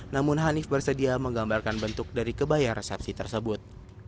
namun hanif bersedia menggambarkan bentuk dari kebaya resepsi tersebut